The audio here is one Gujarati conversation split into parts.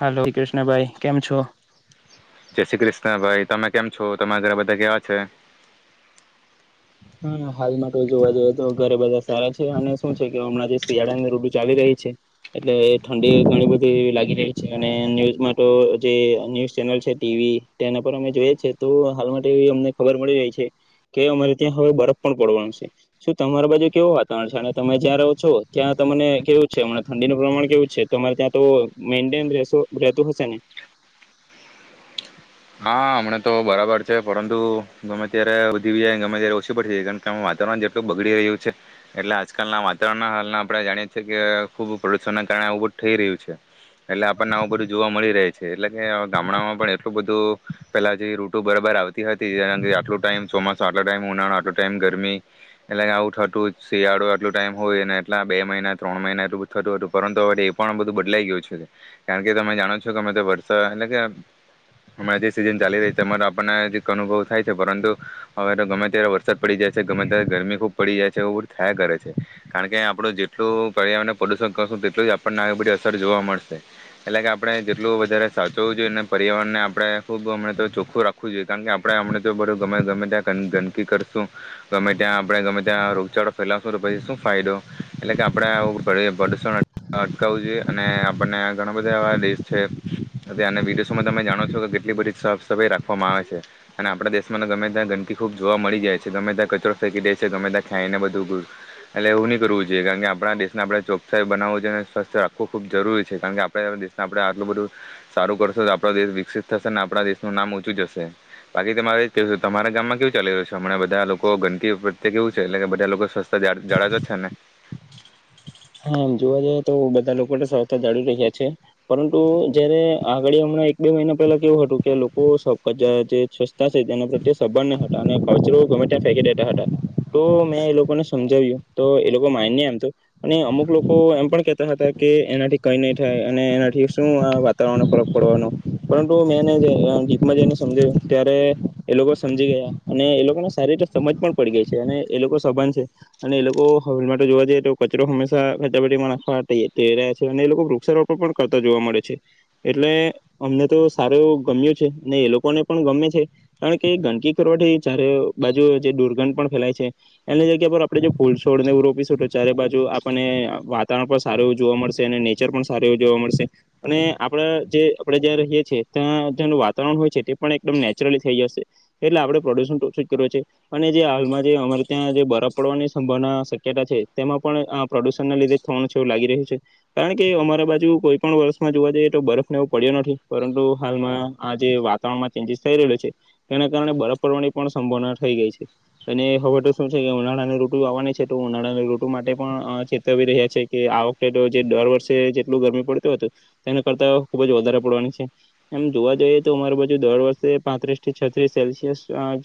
હલો કૃષ્ણભાઈ કેમ છો જય શ્રી કૃષ્ણ ભાઈ તમે કેમ છો તમારા ઘરા બધા કેવા છે? હા હાલ માટે જોવા જઈએ તો ઘરે બધા સારા છે અને શું છે કે હમણાં જે શિયાળાને ઋતુ ચાલી રહી છે એટલે ઠંડી ઘણી બધી લાગી રહી છે અને ન્યુઝ માટે જે ન્યુઝ ચેનલ છે ટીવી તેના પર અમે જોઈએ છે તો હાલ માટે એવી અમને ખબર મળી રહી છે કે અમારે ત્યાં હવે બરફ પણ પડવાનો છે શું તમારા બાજુ કેવું વાતાવરણ છે અને તમે જ્યાં રહો છો ત્યાં તમને કેવું છે ઠંડીનું પ્રમાણ કેવું છે તમારે ત્યાં તો મેઇન્ટેન રહેતું હશે ને હા હમણાં તો બરાબર છે પરંતુ ગમે ત્યારે વધી જાય ગમે ત્યારે ઓછી પડી જાય છે કારણ કે આ વાતાવરણ જેટલું બગડી રહ્યું છે એટલે આજકાલના વાતાવરણના હાલના આપણે જાણીએ છીએ કે ખૂબ પ્રદૂષણનાં કારણે આવું બધું થઈ રહ્યું છે એટલે આપણને આવું બધું જોવા મળી રહે છે એટલે કે ગામડામાં પણ એટલું બધું પેલા જે રૂતું બરાબર આવતી હતી કારણ કે આટું ટાઈમ ચોમાસું આટલો ટાઈમ ઉનાળો આટલો ટાઈમ ગરમી એટલે કે આવું થતું શિયાળો આટલુ ટાઈમ હોય અને એટલા બે મહિના ત્રણ મહિના એટલુ બધુ થતું હતું પરંતુ હવે એ પણ બધું બદલાઈ ગયું છે કારણ કે તમે જાણો છો કે અમે તો વરસાદ એટલે કે હમણાં જે સિઝન ચાલી રહી છે અમારો આપણને અનુભવ થાય છે પરંતુ હવે તો ગમે ત્યારે વરસાદ પડી જાય છે ગમે ત્યારે ગરમી ખૂબ પડી જાય છે એવું બધું થયા કરે છે કારણ કે આપણું જેટલું પર્યાવરણ પ્રદુષણ કરશું તેટલું જ આપણને આ બધી અસર જોવા મળશે એટલે કે આપણે જેટલું વધારે સાચવવું જોઈએ અને પર્યાવરણને આપણે આપણે ખૂબ હમણા તો ચોખ્ખું રાખવું જોઈએ કારણ કે આપણે હમણા તો બધું ગમે ગમે ત્યાં ગંદકી કરશું ગમે ત્યાં આપણે ગમે ત્યાં રોગચાળો ફેલાવશું તો પછી શું ફાયદો એટલે કે આપણે પ્રદૂષણ અટકાવવું જોઈએ અને આપણને ઘણા બધા એવા દેશ છેના વિડીસોમાં તમે જાણો છો કે કેટલી બધી સાફ સફાઈ રાખવામાં આવે છે અને આપણા દેશમાં તો ગમે ત્યાં ગંદકી ખૂબ જોવા મળી જાય છે ગમે ત્યાં કચરો ફેંકી દાય છે ગમે ત્યાં ખાઈને બધું એટલે એવું નહીં કરવું જોઈએ કારણ કે આપણા દેશને આપણે ચોકસાઈ બનાવવીું જોઈ અને સ્વસ્થ રાખવું ખૂબ જરૂરી છે કારણ કે આપણે દેશને આપણે આટલું બધું સારું કરશું તો આપણો દેશ વિકસિત થશે ને આપણા દેશનું નામ ઊંચું જ હશે બાકી તમા મારે તમારા ગામમાં કેવું ચાલી રહ્યું છે હમણાંધા લોકો ગંદકી કેવું છે એટલે કે બધા લોકો સ્વસ્થા જાળ જાળવે છેને હામ જોવા જઈએ તો બધા લોકો સ્વસ્થા જાળ રહ્યા છે પરંતુ જયારે આગળ હમણાં એક બે મહિના પહેલા કેવું હતું કે લોકો જે સ્વચ્છતા છે તેના પ્રત્યે સબંધ નહીં હતા અને કચરો ગમે ત્યાં ફેંકી દેતા હતા તો મેં એ લોકોને સમજાવ્યું તો એ લોકો માન્યા આમતો અને અમુક લોકો એમ પણ કેહેતા હતા કે એનાથી કઈ નહી થાય અને એનાથી શું વાતાવરણનો ફરક પડવાનો પરંતુ મેં એને ગીતમાં જઈને સમજ્યું ત્યારે એ લોકો સમજી ગયા અને એ લોકોને સારી રીતે સમજ પણ પડી ગઈ છે અને એ લોકો સભાન છે અને એ લોકો હેલમે જોવા જઈએ તો કચરો હંમેશા કચરાબેટીમાં નાખવા રહ્યા છે અને એ લોકો વૃક્ષારોપણ પણ કરતા જોવા મળે છે એટલે અમને તો સારું એવું ગમ્યું છે ને એ લોકોને પણ ગમે છે કારણ કે ગંદકી કરવાથી ચારે બાજુ જે દુર્ગંધ પણ ફેલાય છે એની જગ્યા પર આપડે જે ફૂલ છોડ ને રોપી શું ચારે બાજુ આપણને વાતાવરણ પણ સારું એવું જોવા મળશે અને નેચર પણ સારું એવું જોવા મળશે અને આપણા જે આપણે જ્યાં રહીએ છીએ ત્યાં ત્યાંનું વાતાવરણ હોય છે તે પણ એકદમ નેચરલી થઈ જશે એટલે આપણે પ્રદૂષણ તોછું જ કર્યું છે અને જે હાલમાં જે અમારે ત્યાં જે બરફ પડવાની સંભાવના શક્યતા છે તેમાં પણ આ પ્રદુષણને લીધે થવાનું છે એવું લાગી રહ્યું છે કારણ કે અમારા બાજુ કોઈ પણ વર્ષમાં જોવા જઈએ તો બરફને એવો પડ્યો નથી પરંતુ હાલમાં આ જે વાતાવરણમાં ચેન્જીસ થઈ રહલો છે તેના કારણે બરફ પડવાની પણ સંભાવના થઈ ગઈ છે અને હવે તો શું છે કે ઉનાળાની ઋતુ આવવાની છે તો ઉનાળાની ઋતુ ઋતુ માટે પણ ચેતવી રહ્યા છે કે આ વખતે જે દર વર્ષે જેટલું ગરમી પડતું હતું તેના કરતાં ખુબ જ વધારે પડવાની છે એમ જોવા જઈએ તો અમારી બાજુ દર વર્ષે પાંત્રીસ થી છત્રીસ સેલ્સિયસ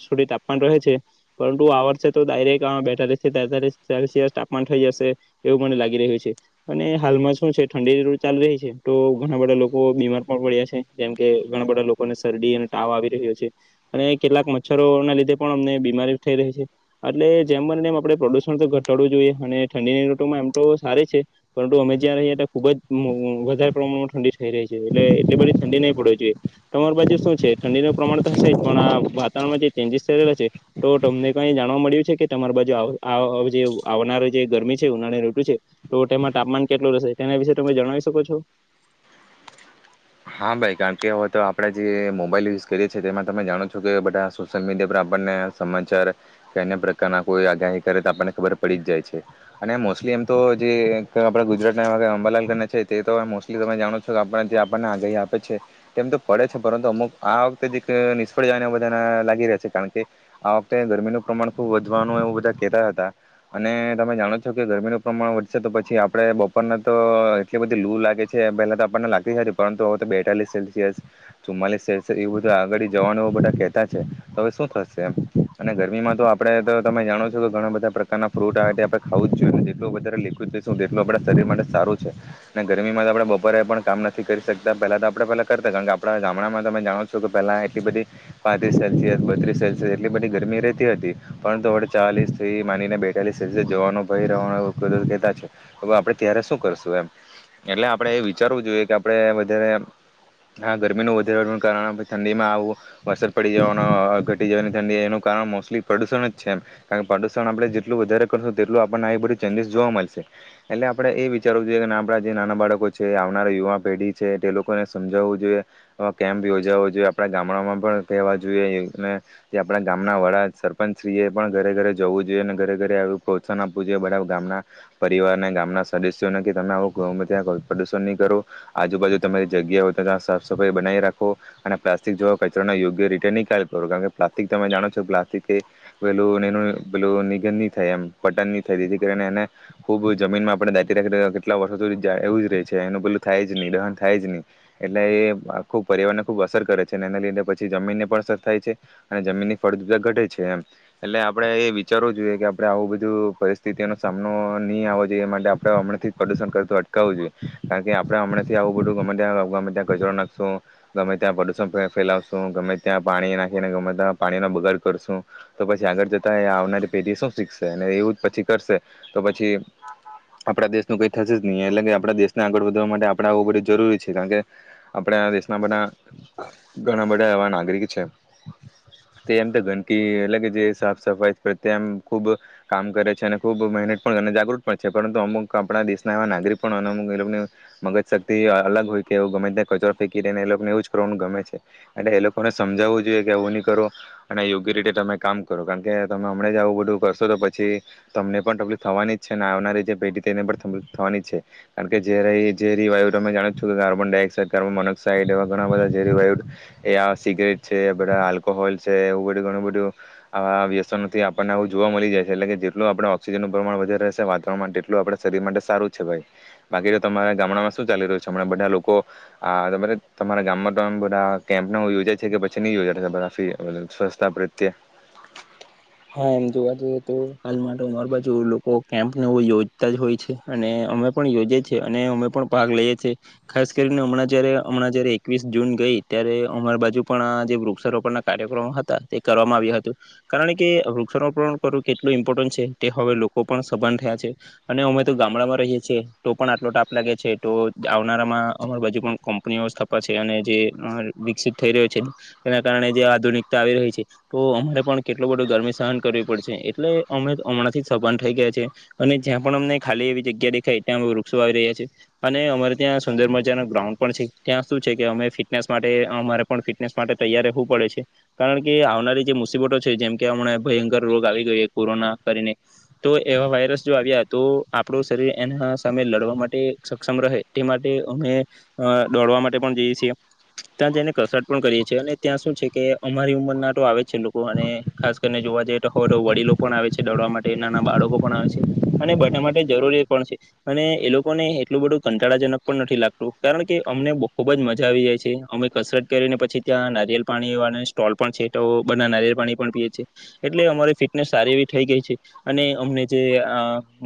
સુધી તાપમાન રહે છે પરંતુ આ વર્ષે તો ડાયરેક્ટ બેતા લીસ થી તેતાલીસ સેલ્સિયસ તાપમાન થઈ જશે એવું મને લાગી રહ્યું છે અને હાલમાં શું છે ઠંડીની ઋતુ ચાલી રહી છે તો ઘણા બધા લોકો બીમાર પણ પડ્યા છે જેમ કે ઘણા બધા લોકોને શરદી અને તાવ આવી રહ્યો છે અને કેટલાક મચ્છરો ના લીધે પણ અમને બીમારી થઈ રહી છે એટલે જેમ બને એમ આપણે પ્રદુષણ તો ઘટાડવું જોઈએ અને ઠંડીની ઋટુમાં એમ તો સારી છે પરંતુ અમે જ્યાં રહીએ ત્યાં ખુબ જ વધારે પ્રમાણમાં ઠંડી થઈ રહી છે એટલે એટલી બધી ઠંડી નહીં પડ જોઈએ તમારી બાજુ શું છે ઠંડીનું પ્રમાણ તો હશે જ પણ આ વાતાવરણમાં જે ચેન્જીસ થયલા છે તો તમને ક જાણવા મળ્યું છે કે તમારી બાજુ જે આવનાર જે ગરમી છે ઉનાળાની ઋતુ છે તો તેમાં તાપમાન કેટલું રહેશે તેના વિશે તમે જણાવી શકો છો? હા ભાઈ કારણ કે હવે તો આપણેે જે મોબાઈલ યુઝ કરીએ તેમાં તમે જાણો છો કે બધા સોશિયલ મીડિયા પર આપણને સમાચાર કે અન્ય પ્રકારના કોઈ આગાહી કરે તો આપણને ખબર પડી જ જાય છે અને મોસ્ટલી એમ તો જે આપડા ગુજરાતના અંબાલાલ છે તે તો મોસ્ટલી તમે જાણો છો કે આપ જે પણ આગાહી આપે છે તેમ તો પડે છે પરંતુ અમુક આ વખતે જ એક નિષ્ફળ જાયને બધા લાગી રહ છે કારણ કે આ વખતે ગરમીનું પ્રમાણ ખુબ વધવાનું એવું બધા કેતા હતા અને તમે જાણો છો કે ગરમીનું પ્રમાણ વધશે તો પછી આપડે બપોરના તો એટલી બધી લૂ લાગે છે પહેલા તો આપણને લાગતી હતી પરંતુ હવે તો બેતાલીસ સેલ્સિયસ ચુમ્માલીસ સેલ્સિયસ એવું બધું આગળી જવાનું એ બધા કહેતા છે તો હવે શું થશે એમ અને ગરમીમાં તો આપણે તો તમે જાણો છો કે ઘણા બધા પ્રકારના ફ્રૂટ આ રીતે આપણે ખાવું જ જોઈએ ને જેટલું વધારે લિક્વિડ થઈશું તેટલું આપણા શરીર માટે સારું છે અને ગરમીમાં તો આપણે બપરે પણ કામ ન નથી કરી શકતા પહેલાં તો આપણે પહેલાં કરતા કારણ કે આપણા ગામડામાં તમે જાણો છો કે પહેલાં એટલી બધી પાંત્રીસ સેલ્સિયસ બત્રીસ સેલ્સિયસ એટલી બધી ગરમી રહેતી હતી પરંતુ આપણે ચાલીસથી માનીને બેતાલીસ સેલ્સિયસ જોવાનો ભય રહેવાનો કહેતા છે તો આપણે ત્યારે શું કરશું એમ એટલે આપણે એ વિચારવું જોઈએ કે આપણે વધારે આ ગરમીનું વધારનું કારણ ઠંડીમાં આવું વરસાદ પડી જવાનો ઘટી જવાની ઠંડી એનું કારણ મોસ્ટલી પ્રદુષણ જ છે એમ કારણ કે પ્રદુષણ આપણે જેટલું વધારે કરશું તેટલું આપણને આ બધું ચેન્જીસ જોવા મળશે એટલે આપણે એ વિચારવું જોઈએ કે આપણા જે નાના બાળકો છે આવનારા યુવા પેઢી છે તે લોકોને સમજાવવું જોઈએ આ કેમ્પ યોજાવો જોઈએ આપણા ગામડામાં પણ કહેવા જોઈએ અને જે આપણા ગામના વડા સરપંચશ્રીએ પણ ઘરે ઘરે જવું જોઈએ અને ઘરે ઘરે એું પ્રોત્સાહન આપવું જોઈએ બરાા ગામના પરિવારને ગામના સદસ્યોને કે તમે આવો ગમાં ત્યાં કોઈ પ્રદુશણ નહીં કરો. આજુબાજુ તમારી જગ્યા હો ત્યાં સાફ સફાઈ બનાવી રાખો અને પ્લાસ્ટિક જોવા કચરોના યોગ્ય રીતે નિકાલ કરો કારણ કે પ્લાસ્ટિક તમે જાણો છો પ્લાસ્ટિક એ પેલું પેલું નિગન ન થાય એમ પટન નહી થાય જેથી કરીને એને ખુબ જમીનમાં આપા રાખી કેટલા વર્ષો સુધી એવું જ રહે છે એનું પલું થાય જ નહી દહન થાય જ નહી એટલે એ આખુ પર્યાવરણને ખૂબ અસર કરે છે અને એને લીધને પછી જમીનને પણ અસર થાય છે અને જમીનની ફળજા ઘટે છે એમ એટલે આપણેે એ વિચારવું જોઈએ કે આપણે આવું બધું પરિસ્થિતિઓનો સામનો નહીં આવવો જોઈએ એ માટે આપણે હમણાંથી પ્રદુષણ કરું અટકાવવું જોઈએ કારણ કે આપણે હમણાંથી આવું બધું ગમે ત્યાં ગમે ત્યાં કચરો નાખશું ગમે ત્યાં પ્રદુષણ ફેલાવશું ગમે ત્યાં પાણી નાખીને ગમે ત્યાં પાણીનો બગાડ કરશું તો પછી આગળ જતા આવના રી પેઢી શું શીખશે અને એવું જ પછી કરશે તો પછી આપણા દેશનું કઈ થશે જ નહી એટલે કે આપણા દેશને આગળ માટે આપણેે આવવું બધું જરૂરી છે કારણ કે આપડે દેશમાં બધા ઘણા બધા એવા ના [unintelligible] તેમ તો ગંદકી એટલે કે જે સાફ સફાઈ પ્રત્યે આમ ખુબ કામ કરે છે અને ખુબ મહેનત પણ જાગૃત પણ છે પરંતુ અમુક આપણા દેશના એવા નાગરિક પણ અને અમુક એ લોકો મગજ શક્તિ અલગ હોય કે એું ગમે ત્યાં કચરો ફેંકી ને એ લોકોને એવું જ કરો ગમે છે એટલે એ લોકોને સમજાવવું જોઈએ કે એવું નહી કરો અને યોગ્ય રીતે તમે કામ કરો કારણ કે તમે હમણાં જ આવું બધું કરશો તો પછી તમને પણ તકલીફ થવાની જ છે અને આવનારી જે પેઢી હતી એને પણ તલીફ થવાની જ છે કારણ કે જે ર ઝેરી વાયુ તમે જાણો છો કે કાર્બન ડાયોક્સાઇડ કાર્બન મોનોક્સાઇડ એવા ઘણા બધા ઝેરી વાયુ એ સિગરેટ છે બધા આલ્કોહોલ છે એવું બધ ઘણું બધ આવા વ્યસનોથી આપણને આવ જોવા મળી જાય છે એટલે કે જેટલું આપણે ઓક્સિજનનુંું પ્રમાણ વધારે રહેશે વાતાવરણ તેટલું આપ શરીર માટે સારું છે ભાઈ બાકી તો તમારા ગામડામાં શું ચાલી રહ્યું છે હમણાં બધા લોકો આ તમારા ગામમાં તો બધા કેમ્પ ન યોજાય છે કે પછી નહી યોજાી સ્વચછતા પ્રત્યે હા એમ જોવા જઈએ તો હાલ માટે અમાર બાજુ લોકો કેમ્પને યોજતા જ હોય છે અને અમે પણ યોજએ છીએ અને અમે પણ ભાગ લઈએ છેએ ખાસ કરીને હમણાં જ હમણાં જ એકવીસ જૂન ગઈ ત્યારે અમાર બાજુ પણ આ જે વૃક્ષારોપણ ના કાર્યક્રમો હતા તે કરવામાં આવ્યા હત કારણ કે વૃક્ષારોપણ કરવું કેટલું ઇમ્પોર્ટન્ટ છે તે હવે લોકો પણ સભન થયા છે અને અમે તો ગામડામાં રહીએ છએ તો પણ આટલો ટાપ લાગે છે તો આવનારામાં અમાર બાજુ પણ કંપનીઓ સ્થપે છે અને જે વિકસિત થઈ રહ્યો છે તેના કારણે જે આધુનિકતા આવી રહી છે તો અમારે એટલો બધો ગરમી સહન કરવી પડ છે એટલે અમે હમણાંથી જ સભાન થઈ ગયા છે અને જ્યાં પણ અમને ખાલી એવી જગ્યા દેખાય ત્યાં અ વૃક્ષો આવી રહ્યા છે અને અમારે ત્યાં સુંદર મજાનો ગ્રાઉન્ડ પણ છે ત્યાં શું છે કે અમે ફિટનેસ માટે અમારે પણ ફિટનેસ માટે તૈયાર રહેવું પડે છે કારણ કે આવનારી જે મુસીબતો હમણા ભયંકર રોગ આવી ગયો કોરોના કરીને તો એવા વાયરસ જો આવ્યા તો આપડું શરીર એના સામે લડવા માટે સક્ષમ રહે તે માટે અમે દોડવા માટે પણ જઈએ છીએ ત્યાં જને કસરત પણ કરીએ છીએ અને ત્યાં શું છે કે અમારી ઉંમરના તો આવે જ છે લોકો અને ખાસ કરીને જોવા જઈએ તો હોય તો વડીલો પણ આવે છે દડવા માટે નાના બાળકો પણ આવે છે અને બધા માટે જરૂરી પણ છે અને એ લોકોને એટલું બધું કંટાળાજનક પણ નથી લાગતું કારણ કે અમને ખુબ જ મજા આવી જાય છે અમે કસરત કરીને પછી ત્યાં નારિયે પાણી વાળા સ્ટોલ પણ છે તો બધા નારિયળ પાણી પણ પીએી એટલે અમારી ફિટનેસ સારી એવી થઈ ગઈ છે અને અમને જે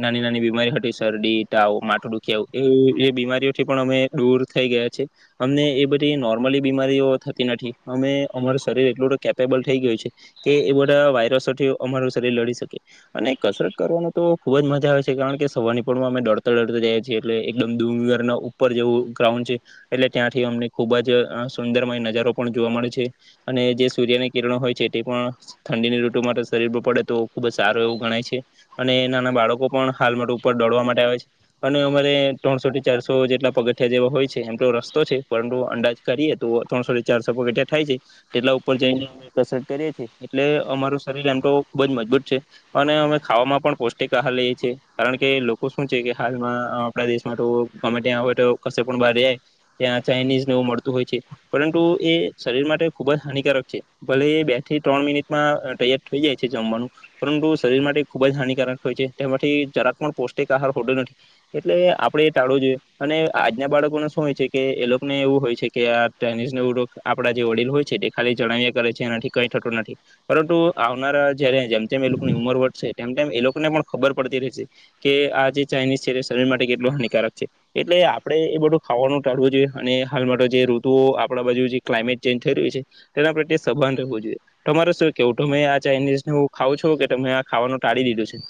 નાની નાની બીમારી હતી શરડી તાવ માટું દુખ્યાવ એ એ બીમારીઓથી પણ અમે દૂર થઈ ગયા છે અમને એ બધી નોર્મલી બીમારીઓ થતી નથી અમે અમારું શરીર એટલુંધ કેપેબલ થઈ ગયું છે કે એ બધા વાયરસોથી અમારું શરીર લડી શકે અને કસરત કરવાનો તો ખુબ જ મજા આવે છે કારણ કે સવારની પણમાં અમે ડરતા ડરતા જાય છીએ એટલે એકદમ દૂર ઉપર જેવું ગ્રાઉન્ડ છે એટલે ત્યાંથી અમને ખુબ જ સુંદરમય નજારો પણ જોવા મળે છે અને જે સૂર્યની કિરણો હોય છે તે પણ ઠંડીની ઋતુ માટે શરીર પડે તો ખુબ જ સારું એવું ગણાય છે અને નાના બાળકો પણ હાલ માટે ઉપર દોડવા માટે આવે છે અને અમારે ત્રણસો થી ચારસો જેટલા પગથિયા જેવા હોય છે એમ તો રસ્તો છે પરંતુ અંદાજ કરીએ તો ત્રણસો થી ચારસો પગથિયા થાય છેાય તેટલા ઉપર જઈને અ ક કરીએ છીએ એટલે અમારું શરીર એમ તો ખૂબ જ મજબૂત છે અને અમે ખાવામાં પણ પૌષ્ટિક આહાર લઈએ છીએ કારણ કે લોકો શું છે કે હાલમાં આપણા દેશમાં તો ગમે ત્યાં હો તો કશે પણ બહાર જાય ત્યાં ચાઇનીઝને એવું મળતું હોય છે પરંતુ એ શરીર માટે ખૂબ જ હાનિકારક છે ભલે એ બે થી ત્રણ મિનિટમાં તૈયાર થઈ જાય છે જમવાનું પરંતુ શરીર માટે ખુબ જ હાનિકારક હોય છે તેમાંથી જરાક પણ પૌષ્ટિક આહાર હોતો નથી એટલે આપણેે એ ટાળવો જોઈએ અને આજના બાળકોને શું હોય છે કે એ લોકોને એવું હોય છે કે આ ચાઇનીઝનો આપણા જે વડીલ હોય છે તે ખાલી જણાવ્યા કરે છે એનાથી કઈ થતું નથી પરંતુ આવનારા જય્યારે જેમ તેમમ એ લોકો ની ઉંમર વટશે તેમ તેમ એ લોકોને પણ ખબર પડતી રહે છે કે આ જે ચાઇનીઝ છે એ શરીર માટે કેટલું હાનિકારક છે એટલે આપડણે એ બધું ખાવાનું ટાળવું જોઈએ અને હાલ માટે જે ઋતુઓ આપણા બાજુ જે ક્લાઇમેટ ચેન્જ થઈ રહ્યું છે તેના પ્રત્યે સબાન રહેવું જોઈએ તમાર શું કેવું તમે આ ચાઇનીઝને હ ખાવ છો કે તમે આ ખાવાનું ટાળી દીધું છે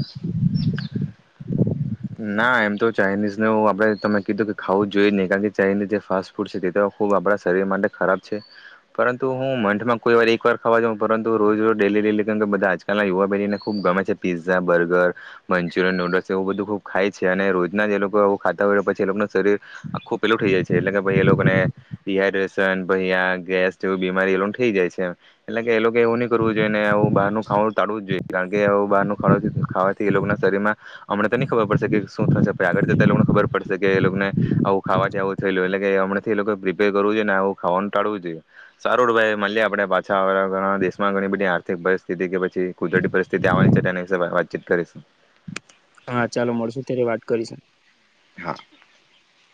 ના એમ તો ચાઇનીઝને આપણેે તમે કીધું કે ખાવું જ જોઈ જ નહીિ કારણ કે ચાઇનીઝ જે ફાસ્ટ ફૂડ છે તે તો ખૂબ આપણા શરીર માટે ખરાબ છે પરંતુ હું મંથમાં કોઈ વાર એક વાર ખાવા જાઉં પરંતુ રોજ રોજ ડેલી લેલી કેમ કે બધા આજકાલ યુવા બહેનેુબ ગમે છે પીઝા બર્ગર મંચુરિયન નુડલ્સ એવું બધું ખૂબ ખાય છે અને રોજના જ એ લોકો આવું ખાતા હોય પછી એ લોકોનું શરીર આખું પેલું થઈ જાય છે એટલે કે ભાઈ એ લોકોને તિહ રસન બૈયા ગેસ જેવી બીમારી એ લોકોને થઈ જાય છેમ એટલે કે એ લોકો એવું નહી કરવું જોઈએનેું બહારનું ખાવાનું ટાવું જ જોઈએ કારણ કે બહારનું ખ ખાવાથી એ લોકો ના શરીરમાં અમને તો નહી ખબર પડશે શું થશે આગળ એ લોકોને ખબર પડશે કે એ લોકોને આવું ખાવાથી આવું થયે એટલે કે હમણાથી એ લોકો પ્રિપેર કરવું જોઈએને આવું ખવાનું ટાળવું જોઈએ સારું ભ માે આપણે પાછા ઘણા દેશમાં ઘણી બધી આર્થિક પરિસ્થિતિ કે પછી કુદરતી પરિસ્થિતિ આવવાની છે તેના વિ વાતચીત કરીશું હા ચાલો મળશુ ત્યારે વાત કરીશ હા